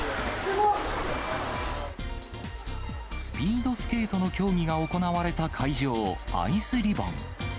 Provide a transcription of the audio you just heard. スピードスケートの競技が行われた会場、アイスリボン。